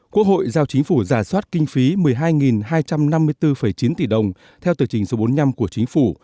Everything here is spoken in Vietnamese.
quốc hội giao chính phủ giả soát kinh phí một mươi hai hai trăm năm mươi bốn chín tỷ đồng theo tờ trình số bốn mươi năm của chính phủ